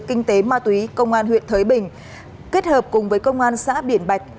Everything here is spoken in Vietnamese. kinh tế ma túy công an huyện thới bình kết hợp cùng với công an xã biển bạch